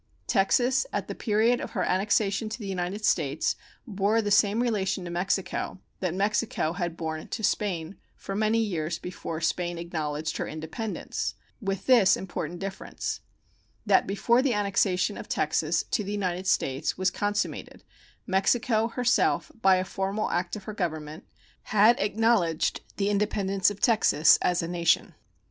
Texas at the period of her annexation to the United States bore the same relation to Mexico that Mexico had borne to Spain for many years before Spain acknowledged her independence, with this important difference, that before the annexation of Texas to the United States was consummated Mexico herself, by a formal act of her Government, had acknowledged the independence of Texas as a nation.